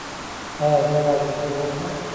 ایا زه باید انځر وخورم؟